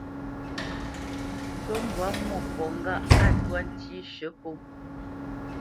Ncú mbwǎ Mwôkɔ̌ ŋgâʼ a twá ntí shə̌ pó.